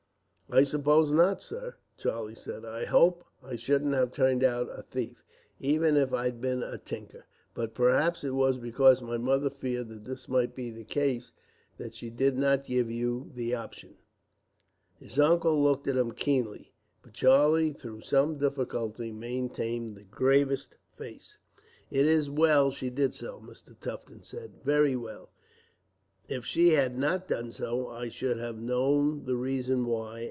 "I suppose not, sir," Charlie said. "I hope I shouldn't have turned out a thief, even if I'd been a tinker; but perhaps it was because my mother feared that this might be the case, that she did give you the option." His uncle looked at him keenly; but Charlie, though with some difficulty, maintained the gravest face. "It is well she did so," Mr. Tufton said; "very well. If she had not done so, I should have known the reason why.